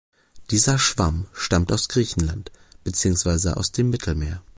Dieser Schwamm stammt aus Griechenland, beziehungsweise aus dem Mittelmeer.